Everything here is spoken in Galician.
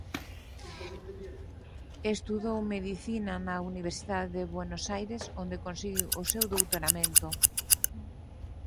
Estudou medicina na Universidade de Buenos Aires onde conseguiu o seu doutoramento.